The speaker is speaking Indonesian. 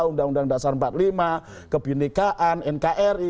undang undang dasar empat puluh lima kebinekaan nkri